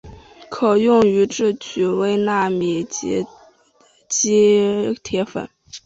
可用于制取微纳米级羰基铁粉。